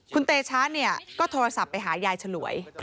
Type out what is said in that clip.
คุณเตชะก็โทรศัพท์ไปหายายฉลวย